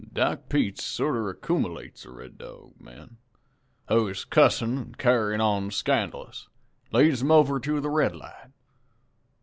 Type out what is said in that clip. "Doc Peets sorter accoomilates the Red Dog man, who is cussin' an' carryin' on scandalous, an' leads him over to the Red Light.